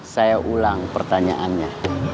saya ulang pertanyaannya